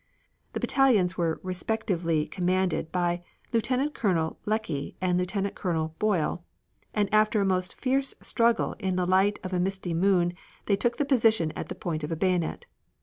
The battalions were respectively commanded by Lieutenant Colonel Leckie and Lieutenant Colonel Boyle, and after a most fierce struggle in the light of a misty moon they took the position at the point of the bayonet.